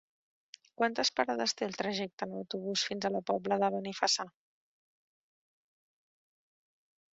Quantes parades té el trajecte en autobús fins a la Pobla de Benifassà?